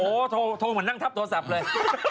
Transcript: โอ้โหโทรเหมือนนั่งทับโทรศัพท์เลย